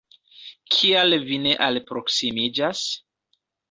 Kial vi ne alproksimiĝas?